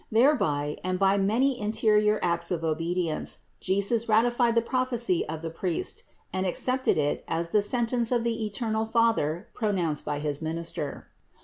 Thereby, and by many in terior acts of obedience, Jesus ratified the prophecy of the priest and accepted it as the sentence of the eternal Father pronounced by his minister.